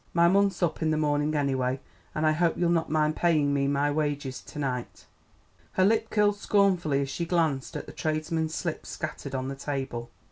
My month's up in the morning anyway, an' I hope you'll not mind paying me my wages to night." Her lip curled scornfully as she glanced at the tradesmen's slips scattered on the table.